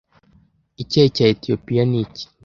Icyayi cya etiyopiya ni iki